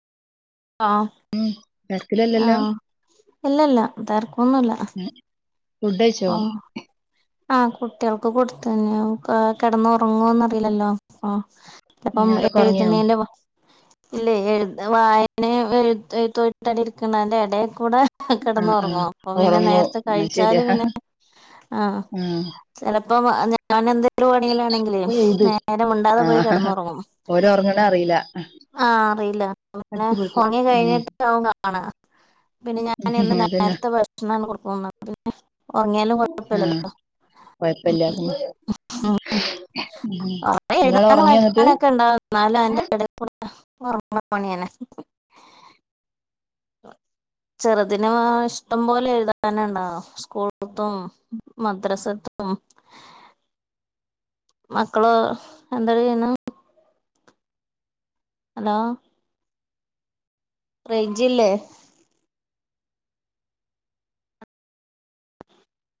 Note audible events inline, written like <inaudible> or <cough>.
ആഹ് തെരക്കില്ലല്ലോ അല്ലല്ല തെരക്കൊന്നുല്ല ഫുഡ്ഡയ്ച്ചോ ആഹ് ആഹ് കുട്ടികൾക്ക് കൊടുത്തു ഇനിയുപ്പൊ കെടന്നൊറങ്ങുഓന്നറിയില്ലല്ലോ ആ ചെലപ്പം അവരൊക്കെ ഉറങ്ങിയോ എഴ്ത്ണീന്റെ മോ ഇല്ലെ എഴ്ത വായനയും എഴുത് എഴുത്തുആയിട്ടടെ ഇരിക്ക്ണേന്റെ എടേക്കൂടെ കെ ആഹ് ആഹ് കെടന്നൊറ്ങ്ങും അപ്പൊ പിന്നെ ഉറങ്ങൂ നേര്ത്തെ കഴിച്ചാല് പിന്നെ ആഹ് ഉം അപ്പം ഞാൻ എന്ത്‌ ങ്കിലും പണീലാണെങ്കിലെ പോയെഴുത് നേരമുണ്ടാതെ പോയി ആഹ് കെടന്നൊറങ്ങും ഓര് ഉറങ്ങണ അറിയില്ല ആഹ് അറിയില്ല പിന്നെ അടിപൊളിക്ക് പണി ഉം കഴിഞ്ഞിട്ട് അവൻ കാണാ പിന്നെ ഞാന് എന്നും അതന്നെ നേര്ത്തെ ഭക്ഷണാണ്ട് കൊടുക്കും ന്നാപിന്നെ ഒർങ്ങ്യാലും കൊഴപ്പല്ലല്ലോ ഉം ആഹ് കൊഴപ്പല്ല്യ കൊറേ ങ്ങള് എഴുതാനും എറങ്ങിയോന്നിട്ട് വായിക്കാനൊക്കെ ഉണ്ടാവും എന്നാലും അയിന്റെ എടയ്ക്കൂടെ ഒറങ്ങ്ണ പണിയന്നെ ചെറുതിന് ഇഷ്ടം പോലെ എഴുതാന്ണ്ടാകും സ്കൂള്ത്തും മദ്രസത്തും ഉം <inaudible> മക്കള് എന്താടി ചെയ്യുന്ന് ഹലോ റയ്ഞ്ചില്ലേ